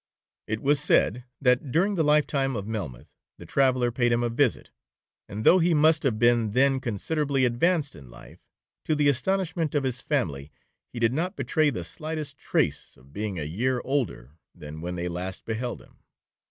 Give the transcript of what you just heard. It was said, that during the life time of Melmoth, the traveller paid him a visit; and though he must have then been considerably advanced in life, to the astonishment of his family, he did not betray the slightest trace of being a year older than when they last beheld him.